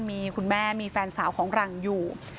มีคุณแม่มีแฟนสาวของหลังอยู่